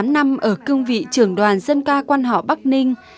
một mươi tám năm ở cương vị trường đoàn dân ca quan họ bắc ninh